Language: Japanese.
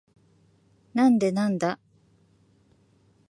なんでなんだ？